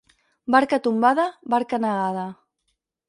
Barca tombada, barca negada.